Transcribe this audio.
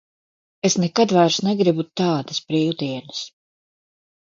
Es nekad vairs negribu tādas brīvdienas.